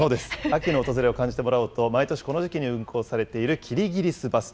秋の訪れを感じてもらおうと、毎年この時期に運行されているキリギリスバス。